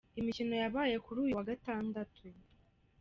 Imikino yabaye kuri uyu wa Gatandatu :